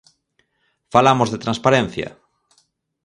¡Falamos de transparencia!